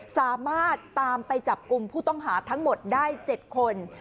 สามารถตามไปจับกลุ่มผู้ต้องหาทั้งหมดได้๗คน